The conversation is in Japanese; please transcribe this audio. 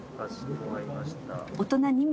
大人２名。